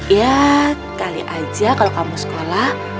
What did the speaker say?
ya kali aja kalau kamu sekolah